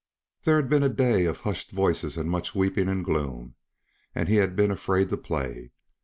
There had been a day of hushed voices and much weeping and gloom, and he had been afraid to play.